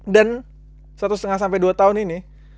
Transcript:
dan satu lima sampai dua tahun ini